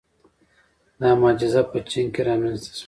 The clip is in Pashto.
• دا معجزه په چین کې رامنځته شوه.